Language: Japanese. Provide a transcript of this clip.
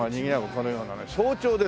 このようなね早朝ですから。